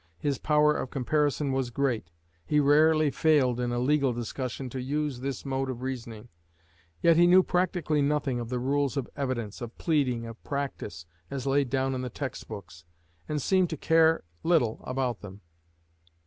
His power of comparison was great. He rarely failed in a legal discussion to use this mode of reasoning. Yet he knew practically nothing of the rules of evidence, of pleading, of practice, as laid down in the text books, and seemed to care little about them.